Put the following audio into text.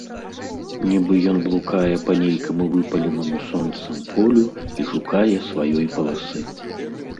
Нiбы ён блукае па нейкаму выпаленаму сонцам полю i шукае сваёй палосы...